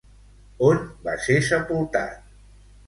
On va ser sepultat?